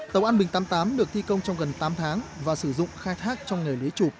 tàu an bình tám mươi tám được thi công trong gần tám tháng và sử dụng khai thác trong nghề lưới chụp